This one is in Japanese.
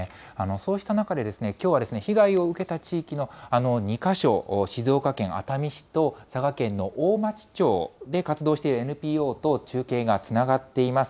そうした中で、きょうは被害を受けた地域の２か所、静岡県熱海市と、佐賀県の大町町で活動しているＮＰＯと中継がつながっています。